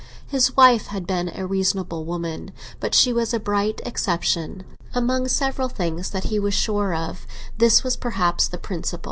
His wife had been a reasonable woman, but she was a bright exception; among several things that he was sure of, this was perhaps the principal.